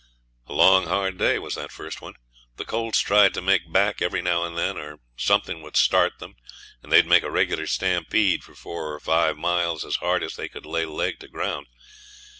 A long, hard day was that first one. The colts tried to make back every now and then, or something would start them, and they'd make a regular stampede for four or five miles as hard as they could lay leg to ground.